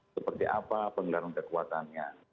seperti apa pengelarang kekuatannya